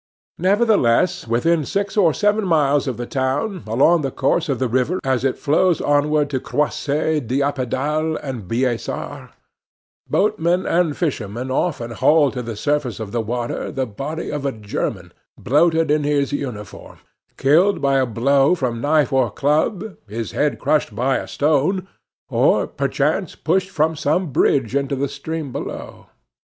Nevertheless, within six or seven miles of the town, along the course of the river as it flows onward to Croisset, Dieppedalle and Biessart, boat men and fishermen often hauled to the surface of the water the body of a German, bloated in his uniform, killed by a blow from knife or club, his head crushed by a stone, or perchance pushed from some bridge into the stream below.